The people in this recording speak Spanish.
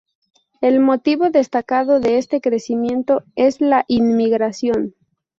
El motivo destacado de este crecimiento es la inmigración.